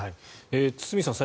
堤さん